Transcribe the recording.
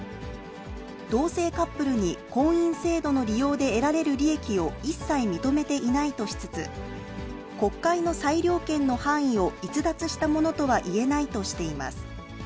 同性カップルに、婚姻制度の利用で得られる利益を一切認めていないとしつつ、国会の裁量権の範囲を逸脱したものとは言えないとしています。